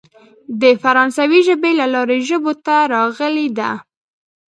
د فرانسوۍ ژبې له لارې ژبو ته راغلې ده.